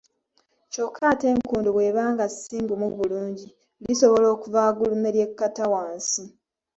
Kyokka ate enkondo bw'eba nga si ngumu bulungi, lisobola okuva waggulu ne lyekkata wansi.